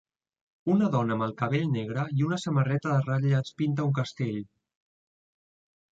Una dona amb el cabell negre i una samarreta de ratlles pinta un castell.